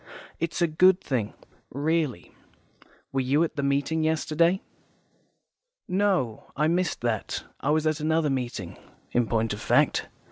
It's a good thing, really. Were you at the meeting yesterday?" "No, I missed that. I was at another meeting, in point of fact.